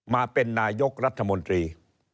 มาเป็นนายกรัฐมนตรี